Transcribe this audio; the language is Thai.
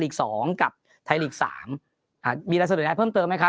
กับไทยฤีคสามอ่ามีรักษาโดยน้ำเพิ่มเติมไหมครับ